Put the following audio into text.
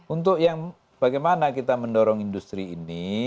untuk yang bagaimana kita mendorong industri ini